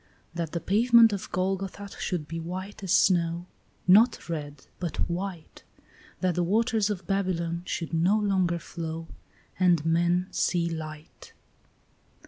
That the pavement of Golgotha should be white as snow, Not red, but white; That the waters of Babylon should no longer flow, And men see light.